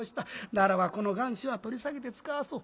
ならばこの願書は取り下げてつかわそう。